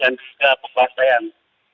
dan juga pembangsa yang